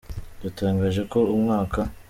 yatangaje ko umwaka.